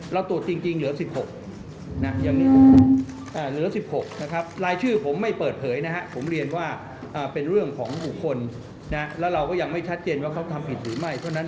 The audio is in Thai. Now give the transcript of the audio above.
เราก็ตรวจสอบเรื่องความชัดเทนของเราเหมือนกันเพราะผมคิดว่าหลายข่าวหลายสำนักก็จะออกมาคนละทิศละทาง